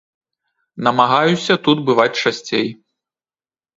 Намагаюся тут бываць часцей.